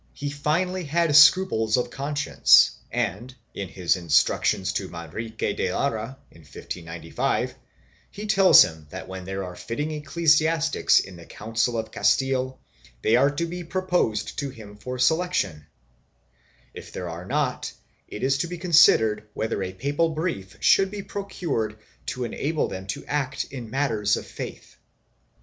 I] THE SUPREMA 323 he finally had scruples of conscience and, in his instructions to Manrique de Lara, in 1595, he tells him that when there are fitting ecclesiastics in the Council of Castile they are to be pro posed to him for selection; if there are not, it is to be considered whether a papal brief should be procured to enable them to act in matters of faith.